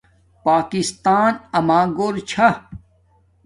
پاکستان اما گھور چھا